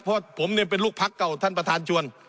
เพราะผมเนี่ยเป็นลูกพักเก่าท่านประธานชวน